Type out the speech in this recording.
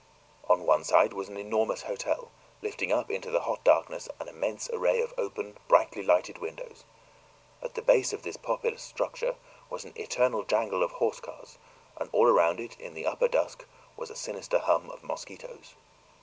On one side was an enormous hotel, lifting up into the hot darkness an immense array of open, brightly lighted windows. At the base of this populous structure was an eternal jangle of horsecars, and all round it, in the upper dusk, was a sinister hum of mosquitoes.